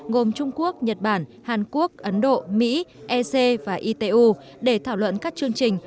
gồm trung quốc nhật bản hàn quốc ấn độ mỹ ec và itu để thảo luận các chương trình